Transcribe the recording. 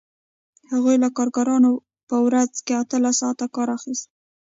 هغوی له کارګرانو په ورځ کې اتلس ساعته کار اخیست